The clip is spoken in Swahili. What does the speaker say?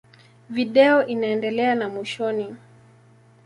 Video inaendelea na mwishoni.